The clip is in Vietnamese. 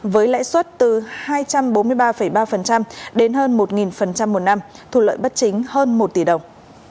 với lãi suất từ hai trăm bốn mươi ba ba đến hơn một một năm thu lợi bất chính hơn một tỷ đồng